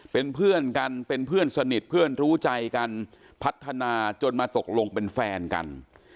เป็นเพื่อนกันเป็นเพื่อนสนิทเพื่อนรู้ใจกันพัฒนาจนมาตกลงเป็นแฟนกัน